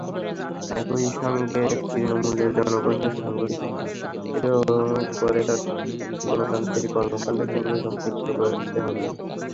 একই সঙ্গে তৃণমূলের জনগণকে সংগঠিত করে গণতান্ত্রিক কর্মকাণ্ডের সঙ্গে সম্পৃক্ত করতে হবে।